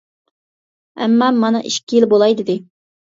ئەمما مانا ئىككى يىل بولاي دېدى.